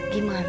gimana tuh ya